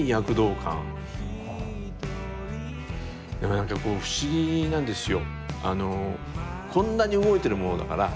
なんかこう不思議なんですよ。